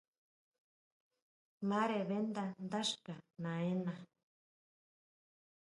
Mare ʼbeʼnda dá xka naʼena.